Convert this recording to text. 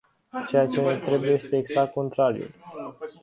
Ceea ce ne trebuie este exact contrariul.